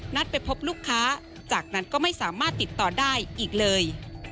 ไปพบลูกค้าจากนั้นก็ไม่สามารถติดต่อได้อีกเลย